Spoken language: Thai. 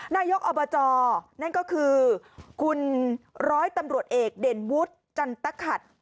นายกอบจนั่นก็คือคุณร้อยตำรวจเอกเด่นวุฒิจันตขัด